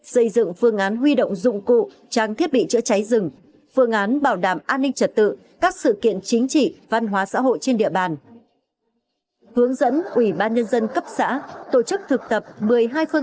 xây dựng phương án huy động dụng cụ trang thiết bị chữa cháy rừng phương án bảo đảm an ninh trật tự các sự kiện chính trị văn hóa xã hội trên địa bàn